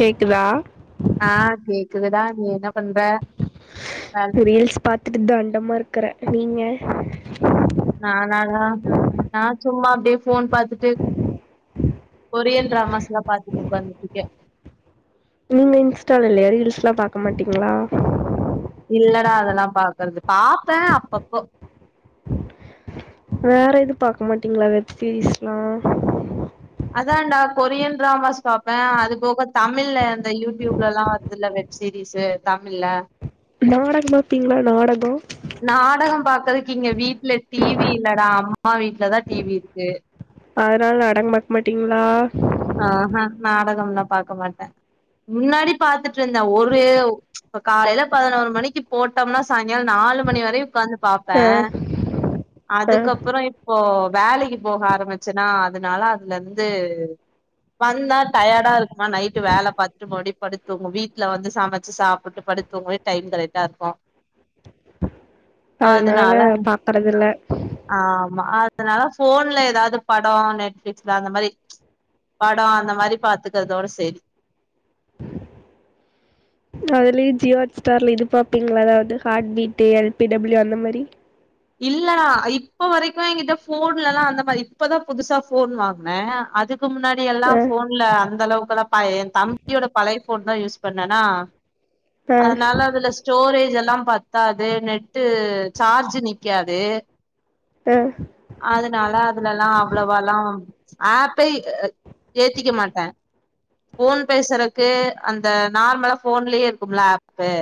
கேக்குதா ஆ கேக்குதுதா நீ என்ன பண்ற வேல் ரீல்ஸ் பாத்துட்டு தண்டமா இர்க்குற நீங்க நானா டா நா சும்மா அப்டியே ஃபோன் பாத்துட்டு கொரியன் ட்ரமாஸ்லா பாத்துட்டு உக்காந்துட்ருக்கே நீங்க இன்ஸ்டால இல்லயா ரீல்ஸ்லா பாக்க மாட்டீங்ளா இல்லடா அதல்லா பாக்கற்து பாப்போ அப்பப்போ வேற எது பாக் மாட்டீங்ளா வெப் சீரிஸ்லா அதான்டா கொரியன் ட்ராமாஸ் பாப்ப அது போக தமிழ்ல அந்த யூட்யூப்லல்லா வருதுல்ல வெ செரி சார் தாமில்ல நாடக பாப்பீங்ளா நாடகோ நாடக பாக்கற்துக்கு இங்க வீட்ல டி வி இல்லடா அம்மா வீட்ல தா டி வி இருக்கு அதனால நாடகங் பாக் மாட்டீங்ளா அ ஹ நாடகம்லா பாக்க மாட்ட முன்னாடி பாத்துட்ருந்த ஒரு இப்ப காலைல பதுனோரு மணிக்கி போட்டம்னா சாங்கால நாலு மணிவர உக்காந்து பாப் ப ஆ ஆ அதுக்கப்புறோ இப் போ வேலக்கி போக ஆரம்மிச்சனா அதுனால அதுலர்ந்து வந்தா டயர்டா இருக்குமா நைட்டு வேல பாத்துட்டு மறுவ்டி படுத்து தூங்கு வீட்ல வந்து சமச்சு சாப்புட்டு படுத் தூங்கவே டைம் கரெக்டா இருக்கு அதுனால அதனால பாக்குறதுல ஆமா அதுனால ஃபோன்ல எதாவ்து படோ நெட்ஃபிளிக்ஸ்ல அந்த மரி படோ அந்த மாரி பாத்துக்கற்தோட செரி அதுலியே ஜியோ ஹாட் ஸ்டார்ல இது பாப்பீங்ளா அதாவ்து hot beat L B W அந்த மரி இல்லனா இப்ப வரக்கு ஏங்கிட்ட ஃபோன்லா மாரி இப்பதா புதுசா ஃபோன் வாங்ன அதுக் கு முன்னாடி எல்லா ஆ ஃபோன்ல அந்தளவுக்கலா பய ஏ தம்பியோட பழய ஃபோன் தா யூஸ் பண்ணனா ஆ அதுனால அதுல ஸ்டோரேஜ் எல்லா பத்தாது நெட்டு சார்ஜு நி கியாது அ அதுனால அதுலல்லா அவ்ளவாலா ஆப்பெய் ஏத்திக்க மாட்ட ஓன் பேசறக்கு அந்த நார்மலா ஃபோன்லயே இருக்கும்ல ஆப்பு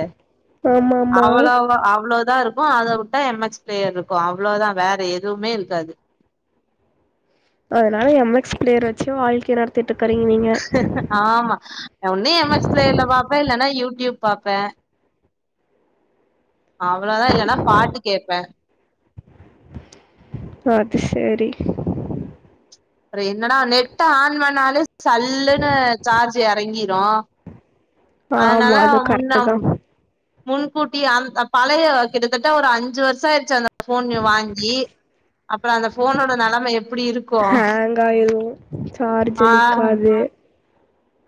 ஆமா ஆமா அவ்ளோவா அவ்ளோதா இருக்கு அத விட்டா எம் எக்ஸ் பிளேயர் இருக்கு அவ்ளோதா வேற எதுவுமே இருக்காது அதுனால எம் எக்ஸ் பிளேயர வச்சு வாழ்க்கைய நடத்திட்டு இருக்கறீங்க நீங்க ஆமா நா ஒன்னு எம் எக்ஸ் பிலேயர்ல பாப்பே இல்லன்னா யூ டியூப் பாப்பே அவ்ளோதா இல்லன்னா பாட்டு கேப்பே அது சேரி அப்றோ என்னடா நெட்ட ஆன் பண்ணாலே சல்லுன்னு சார்ஜ் எறங்கிரு அதனால ஆமா அது கரெக்ட் முன்ன தான் முன்கூட்டியே அந்த பழைய கிட்டத்தட்ட ஒரு அஞ்சு வருஷோ ஆயிடுச்சு அந்த ஃபோனு வாங்கி அப்புறோ அந்த ஃபோனோட நெலம எப்புடி இருக்கு ஆயிரு சார்ஜ் நிக்காது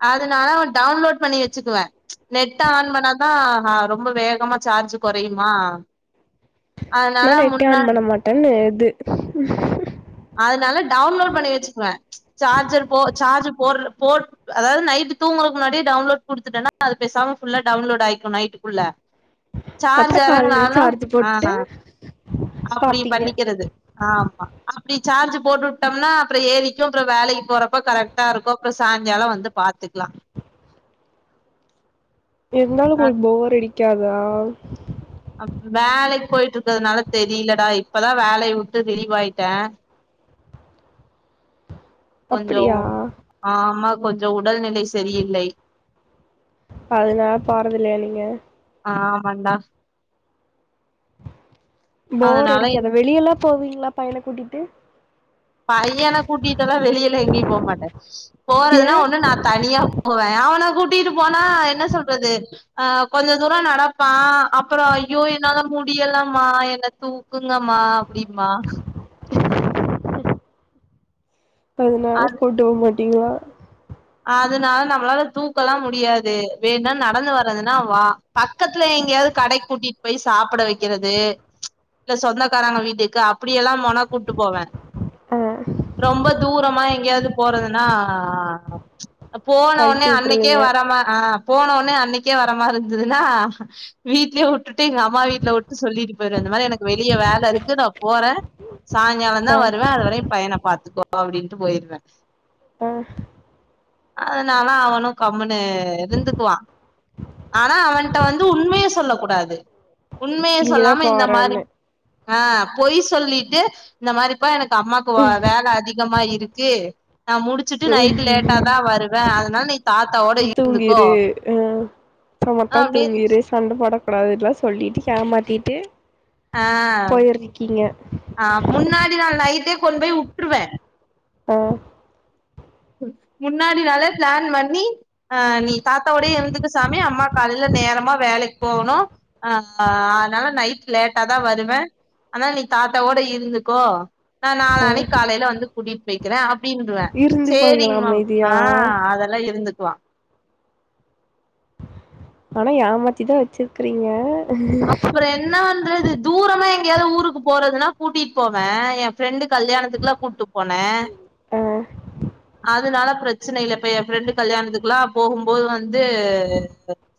அதுனால நா டவுன்லோட் பண்ணி வச்சுக்குவே நெட் ஆன் பண்ணாதா ஆ ரொ ம்ப வேகமா சார்ஜ் கொறையுமா அதனால நா நெட்டே முன்னா ஆன் பண்ண மாட்டேன்னு இது அதுனால டவுன்லோட் பண்ணி வச்சுக்குவே சார்ஜர் போ சார்ஜ் போட்ற போ அதாவது நைட் தூங்கறக்கு முன்னாடியே டவுன்லோட் குடுத்துட்டேன்னா அது பேசாம ஃபுல்லா டவுன்லோட் ஆயிக்கு நைட்டுக்குள்ள சார்ஜ் அப்புற கால்ல எறங்குனாலு சார்ஜ் ஆ போட்டு அப்டி பாப்பீங்க பண்ணிக்கிறது ஆமா அப்டி ஜார்ஜ் போட்டுவுட்டோம்னா அப்றோ ஏறிக்கு அப்றோ வேலைக்கு போறப்ப கரெக்ட்டா இருக்கு அப்றோ சாய்ங்காலோ வந்து பாத்துக்லா இருந்தாலு அ உங்ளுக்கு போர் அடிக்காதா அப்ப வேலைக்கு போயிட்டு இருக்கதுனால தெரியிலடா இப்பதா வேலைய விட்டு ரிலீவ்வாயிட்டே கொஞ்சோ அப்படியா ஆமா கொஞ்சோ உடல் நிலை அதுனால போறதுல்லையா நீங்க ஆமாண்டா போர் அதனால அடிக்காதா வெளியல்லா போவீங்ளா பையனக் கூட்டிட்டு பையனக் கூட்டிட்டல்லா வெளியலா எங்கியு போமாட்ட ஏ போறதுனா ஒண்ணு நா தனியா போவே அவன கூட்டிட்டு போனா என்ன சொல்றது அ கொஞ்ச தூரோ நடப்பா அப்பறோ ஐயோ என்னால முடியலமா என்ன தூக் குங்கம்மா அப்டிம்பா அதனால கூட்டு போ மாட்டீங்களா அதுனால நம்ளால தூக்கலா முடியாது வேணா நடந்து வர்றதுன்னா வா பக்கத்துல எங்கயாவது கடைக்கு கூட்டிட்டு போய் சாப்ட வைக்கிறது இல்ல சொந்தக்காராங்க வீட்டுக்கு அப்டியெல்லா போனா கூப்ட்டு போவ ஆ ரொம்ப தூரமா எங்கயாவது போறதுன்னா போனவொன்னே கழட்டி அன்னைக்கே விட்டுருவீங்க வராமா அ போனவொன்னே அன்னைக்கே வரமாரி இருந்ததுன்னா வீட்லயே உட்டுட்டு எங்க அம்மா வீட்ல மட்டு சொல்லிட்டு போயிருவ இந்த மாரி எனக்கு வெளிய வேல இருக்கு நா போறே சாய்ங்காலாந்தா ஆ வருவே அது வரையு பையனப் பாத்துக்கோ அப்டின்ட்டு போயிருவே ம் அதனால அவனு கம்முனு இருந்துக்குவா ஆனா அவன்ட்ட வந்து உண்மய சொல்ல கூடாது உண்மய இங்கதா சொல்லாம இந்த மாரி போறேன்னு அ பொய் சொல்லிட்டு இந்த மாரிப்பா எனக்கு அம்மாக்கு வ வேல அதி கமா இருக்கு நா முடிச்சிட்டு ம் நைட்டு லேட் ட்டதா வருவ அதனால் நீ தாத்தாவோட இருந்துக்கோ ப்றமத்தா அப்டி தூங்கிரு சண்ட போடக்கூடாது இதுலா சொல்லிட்டி ஹேமாத்திட்டு அ அ முன்னாடி நாள் நைட்டே கொண் போய் உட்டுருவ ஒ முன்னாடி நாளே ப்ளேன் பண்ணி அ நீ தாத்தாவோடே இருந்துக்க சாமி அம்மாக் காலைல நேரமா வேலைக் போவனு அ அத்னால நைட் லேட்டா தா வருவ அனால் நீ தாத்தாவோட இருந்துக்கோ நா ஆ நாளானிக் காலைல வந்து கூட்டிட் போய்க்கிற அப்டின்ருவ சேரிங் இருந்துப்பாங்களா மவ் அமைதியா அ அதல்லா இருந்துக்குவா அனா ஏமாத்திதா வெச்சிர்க்குறீங்க த என்ன பண்றது தூரமா எங்யாவ்து ஊருக்கு போறதுனா கூட்டிட் போவ ஏ ஃப்ரெண்டு் கல்யாணத்துக்குலா கூட்டு போன ஆ அதுனால ப்ரச் சினையில இப்ப ஏ ஃப்ரெண்டு கல்யாணத்துக்குல்லா போகும்போத் வந்து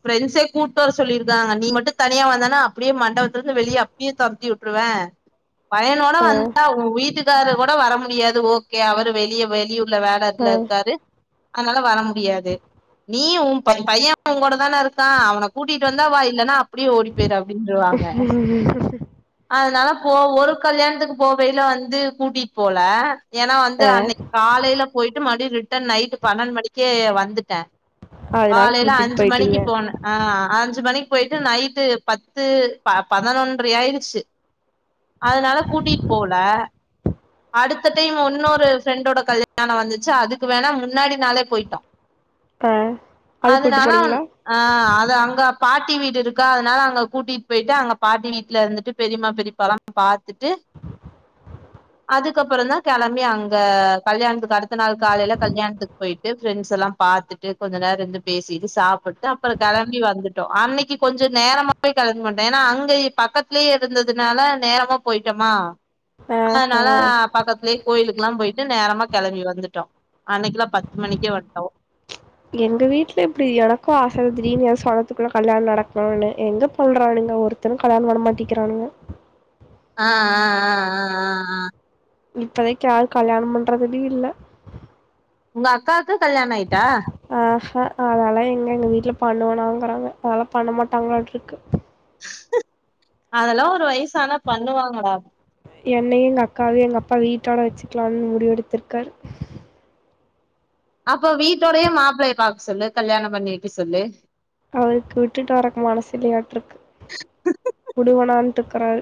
ஃபிரெண்ஸே கூட்டு வர சொல்லிருக்காங்க நீ மட்டு தனியா வந்தனா அப்புடியே மண்டவத்துலந்து வெளிய அப்பியே தொரத்தி உட்ருவ பயனோட ஆ வந்தா உ வீட்டுக்காரு கூட வர முடியாது ஓகே அவரு வெளிய வெளியூர் ல்ல ஆ வேலக்ல இர்க்காரு அதனால வர முடியாது நீ உபை பைய ஒங்க கூட தான இருக்கா அவன கூட்டிட்டு வந்தா வா இல்லனா அப் ப்புடியே ஓடிப்போய்ரு அப்டின்ருவாங்க அதுனால போ ஒரு கல்யாண்த்துக் போகயில வந்து கூட்டிட் போல ஏனா வந்து ஆ அன்னைக் காலைல போயிட்டு மறுவ்டி ரிட்டன் நைட்டு பன்னண் மணிக்கே வந்துட்ட அதனால காலைல கூட்டிட்டு அஞ்சு போயிட்டீங்க மணிக்கி போன அ அஞ்சு மணிக் பொய்ட்டு நைட்டு பத்து ப பதனொன்ரை ஆயிடுச்சு அதுனால கூட்டிட் போவுல அடுத்த டைம் ஒன்னொரு ஃப்ரெண்டோட கல்யாண வந்துச்சு அதுக்கு வேணா முன்னாடி நாளே பொய்ட்டோ ஆ அதுக்கு கூட்டு அதுனால வந் போனீங்களா அ அது அங்க பாட்டி வீடு இருக்கா அதனால அங்க கூட்டிட்டு பெய்ட்டு அங்க பாட்டி வீட்ல இருந்துட்டு பெரியம்மா பெரிப்பால பாத்துட்டு அதுக்கப்புறந்தா களம்பி அங்க கல்யாண்த்துக்கு அடுத்த நாள் காலைல கல்யாண்த்துக் பொய்ட்டு ஃப்ரெண்ட்ஸ் எல்லா பாத்துட்டு கொஞ்ச நேர இந்து பேசிட்டு சாப்புட்டு அப்புற கிளம்பி வந்துட் டோ அன்னக்கி கொஞ்ச நேரமாவே களம்பி வந்ட்ட ஏனா அங்கய் பக்கத்லே இருந்ததுனால நேரமா போயிட்டமா ஆ ஆ அதனால பக்கத்லே கோயிலுக்குலா போய்ட்டு நேரமா கிளம்பி வந்துட்டோ அண்னக்கிலா பத்து மணிக்கே வந்ட்டோ எங்க வீட்ல இப்டி எனக்கு ஆசதா திடீனு ஏ செந்தத்துக்குள்ள கல்யாண நடக்ணுனு எங்க பன்றானுங்க ஒருத் தனு கல்யாண பண்ண மாட்டிக்கிறானுங்க அ அ அ அ அ அ இப்பதைக் யாரு கல்யாண பண்றதுலி இல்ல உங்க அக்காக்கு கல்யாண ஆயிட்டா அ ஹ அதாலா எங்க எங்க வீட்ல பண்ணுவனாங்குறாங்க அதாலா பண்ண மாட்டாங்ளாட்ருக்கு அதல்லா ஒரு வய்சு ஆனா பண்ணுவாங்கடா என்னையு எங் அக்காவையு எங்க அப்பா வீட்டோட வெச்சுக்லான் முடிவெடுத்துருக்காரு அப்போ வீட்டோடையே மாப்ளைய பாக் சொல்லு கல்யாண பண்ணி வக்க சொல்லு அவருக்கு விட்டுட்டு வரக்கு மனஸ் இல்லையாட்ருக்கு உடுவனான்ட்ருக்குறாரு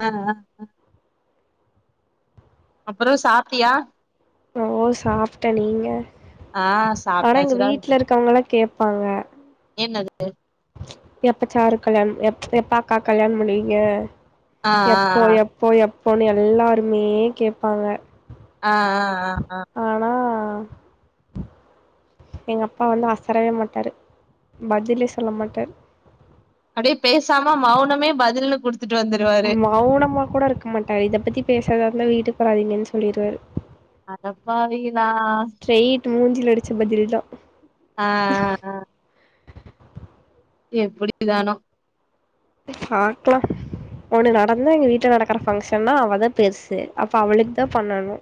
ஆ ஆ அப்றோ சாப்ட்டியா ஓ சாப்பிட்டே நீங்க ஆ ஆனா எங்க சாப்ட்டாச்சுடா வீட்ல இருக்கவங்காளா கேப்பாங்க என்னது எப்ப சாரு கல்யாணம் எ எப்ப அக்காவுக்கு கல்யாணம் பண்ணிவிங்க ஆ ஆ எப்போ எப் எப்போ எப்போன்னு எல்லாருமே கேப்பாங்க ஆ ஆ ஆ ஆ ஆனா எங்க அப்பா வந்து அசரவே மாட்டாரு பதிலே சொல்ல மாட்டார் அப்டியே பேசாம மௌனமே பதில்னு குடுத்துட்டு வந்து மௌனமா கூட இருக்க மாட்டாரு இத பத்தி பேசுறதா இருந்தா வீட்டு வாராதீங்கன்னு சொல்லிருவாரு அடப்பாவிகளா ஸ்ரெயீட் மூஞ்சில அடிச்ச பதில் தா ஆ ஆ எப்டி தானே பாக்கலா ஒண்ணு நடந்தா எங்க வீட்டு நடக்கிற பங்க்ஷன்னா அவதா பெருசு அப்ப அவளுக்கு தா பண்ணணு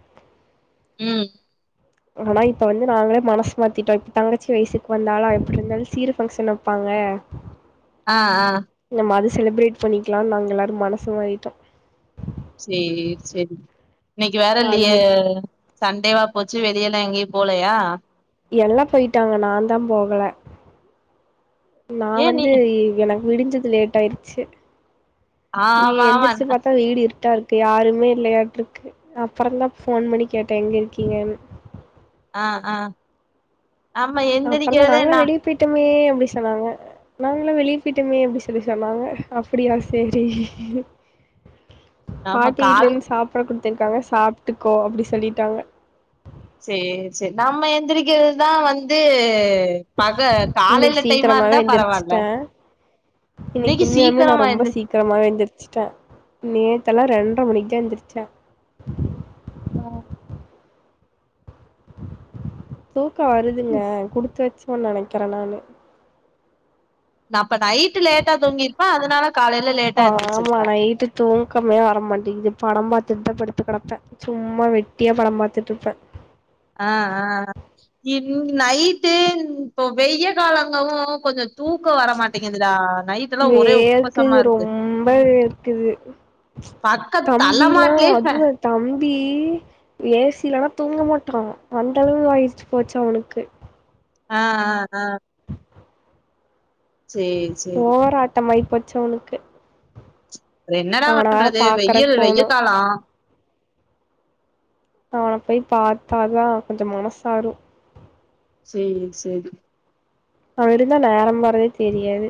ம் ஆனா இப்ப வந்து நாங்களே மனசு மாத்திட்டோ இப்ப தங்கச்சி வயசுக்கு வந்தாலு எப்டி இருந்தாலு சீறு ஃபங்க்ஷன் வைப்பாங்க ஆ ஆ நம்ம அது செலிபிரேட் பண்ணிக்கலா நாங்க எல்லாரு மனசு மாறிட்டோ சேர் சேரி இன்னிக்கி வேற அது இல்லியே சண்டேவா போச்சு வெளியெல்லா எங்கயு போலயா எல்லா போயிட்டாங்க நா தா போகல நா ஏ நீ வந்து எனக் விடிஞ்சது லேட்ட ஆயிருச்சு வ ஆமா ஆமா எந்திரிச்சி பாத்தா வீடு இருட்டா இருக் கு யாருமே இல்லயாட்டு இருக்கு அப்றோ தா ஃபோன் பண்ணி கேட்டே எங்க இருக்கீங்கன்னு ஆ ஆ ஆமா எந்திரிக்கத நா ப்பட்டுமே அப்டி சொன்னாங்க நாங்கல்ளா வெளியே போயிட்டமே அப்டி சொல்லி சொன்னாங்க அப்டியா சேரி நம்ம பாட்டி வீட்ல கால் இருந்து சாப்பாடு குடுத்துருக்காங்க சாப்ட்டுக்கோ அப்டி சொல்லிட்டாங்க சேர் சேரி நம்ம எந்திரிக்கிறது தா வந் து பக இன்னைக்கு காலையில டைமா இருந்தா பரவாயில்ல இன்னிக்கி உண்மையாமே நா ரொம்ப எந்திரிச்ச சீக் கிரமாவே எழுந்திருச்சுட்டே நேத்தெல்லா ரெண்டர மணிக்கு தா எந்திரிச்சே ஓ தூக்கோ வருதுங்க குடுத்து வெச்சவன்னு நெனைக்கிறே நானு அப்ப நைட்டு லேட்டா தூங்கிருப்பே அதனால காலையில லேட்டா ஆமா எந்திரிச்சிருப்பே நைட்டு தூக்கமே வர மாட்டேங்குது படம் பாத்துட்டுதா படுத்துக்கெடப்பே சும்மா வெட்டியா படம் பாத்துட்டுப்பே ஆ ஆ இ நைட்டு இப்போ வெயா காலங்கவு கொஞ்சோ தூக்க வரமாட் வேக்குது இருக்கு ரொம்ப வேர்க்குது பக்க தம்பிலா தலமாட்லயே ஃபே அதுவு தம்பி ஏ சி இல்லனா தூங்க மாட்டா அத்தளவுக்கு ஆகி போச்சு அவனுக்கு ஆ ஆ ஆ சேரி சேரி ஓவர் ஆட்டம் ஆய் போச்சி அவனுக்கு இத என்னடா அவன வேற பண்றது பாக்கறக்கு வெயில் வெய போனு காலோ அவன போய் பாத்தாதா கொஞ்சோ மனசாரு சேரி சேரி அவே இருந்தா நேரோ போறதே தெரியாது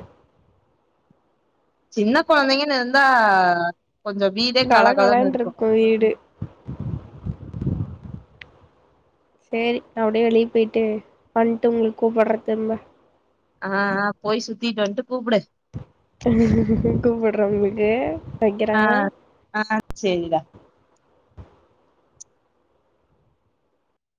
சின்ன கொழந்தைங்கன்னு இருந்தா கொஞ்சோ வீடே கலகலன்னு இருக்கு வீடு சேரி அப்டியே வெளிய போயிட்டு வந்ட்டு உங்களுக்கு கூப்புடுறே திரும்ப ஆ அ போய் சுத்திட்டு வந்ட்டு கூப்புடு கூப்புடுறே உங்களுக்கு ஆ வைக்கிறே ஆ சேரிடா